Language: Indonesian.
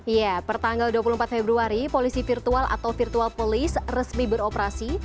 ya pertanggal dua puluh empat februari polisi virtual atau virtual police resmi beroperasi